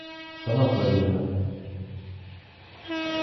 САНАТОРИЙҘА